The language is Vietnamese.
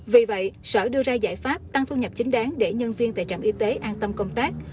vì vậy sở đưa ra giải pháp tăng thu nhập chính đáng để nhân viên tại trạm y tế an tâm công tác